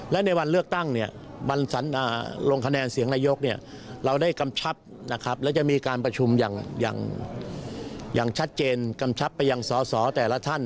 และในวันเลือกตั้งเนี่ยวันลงคะแนนเสียงนายกเราได้กำชับนะครับแล้วจะมีการประชุมอย่างชัดเจนกำชับไปยังสอสอแต่ละท่าน